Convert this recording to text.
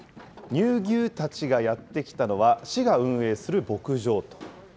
乳牛たちがやって来たのは、市が運営する牧場。